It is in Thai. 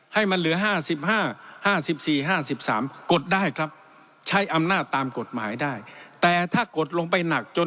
ให้มันเหลือห้าสิบห้าห้าสิบสี่ห้าสิบสามกดได้ครับใช้อำหน้าตามกฏหมายได้